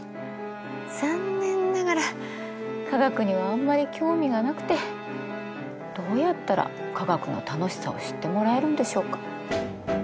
残念ながら科学にはあんまり興味がなくてどうやったら科学の楽しさを知ってもらえるんでしょうか。